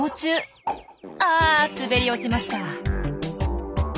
あ滑り落ちました。